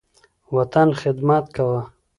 وطن، خدمت کومه